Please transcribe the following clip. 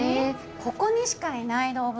ここにしかいない動物。